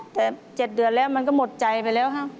แต่๗เดือนแล้วมันก็หมดใจไปแล้วครับ